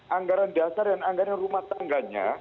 anggaran dasar dan anggaran rumah tangganya